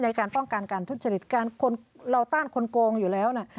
ในการป้องกันการทุจริตการคนเราต้านคนโกงอยู่แล้วน่ะ